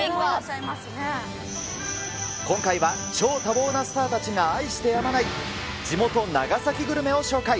今回は超多忙なスターたちが愛してやまない地元、長崎グルメを紹介。